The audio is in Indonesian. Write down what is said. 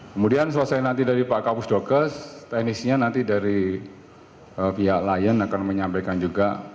kemudian selesai nanti dari pak kapusdokes teknisnya nanti dari pihak layan akan menyampaikan juga